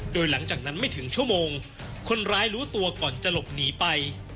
โดยหลังจากนั้นไม่ถึงชั่วโมงคนร้ายรู้ตัวก่อนจะหลบหนีไป